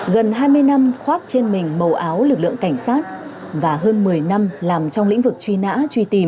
gần hai mươi năm khoác trên mình màu áo lực lượng cảnh sát và hơn một mươi năm làm trong lĩnh vực truy nã truy tìm